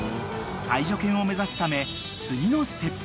［介助犬を目指すため次のステップへ］